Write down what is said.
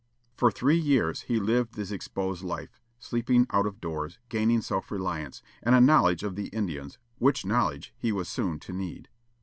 For three years he lived this exposed life, sleeping out of doors, gaining self reliance, and a knowledge of the Indians, which knowledge he was soon to need.